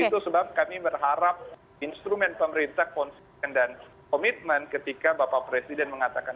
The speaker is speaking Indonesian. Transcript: itu sebab kami berharap instrumen pemerintah konsisten dan komitmen ketika bapak presiden mengatakan